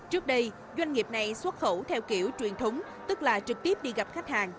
các doanh nghiệp này xuất khẩu theo kiểu truyền thống tức là trực tiếp đi gặp khách hàng